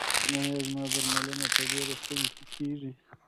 ایا زما درملنه په دې روغتون کې کیږي؟